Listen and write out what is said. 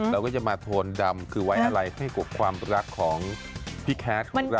เราก็จะมาโทนดำคือไว้อะไรให้กว่าความรักของพี่แค้นถูกรอบนะฮะ